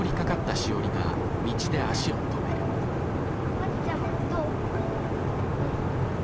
まちちゃんもどう？ね？